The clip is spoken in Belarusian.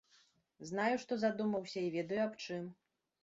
Знаю, што задумаўся, і ведаю, аб чым.